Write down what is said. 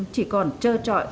chỉ còn trơ trọi